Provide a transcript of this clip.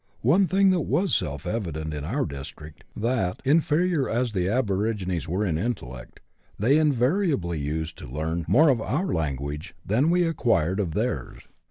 One thing was self evident in our district, that, inferior as the aborigines were in intellect, they invariably used to learn more of our language than we acquired of theirs.